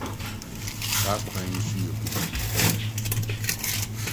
Saa kwan yi so yɛ hu.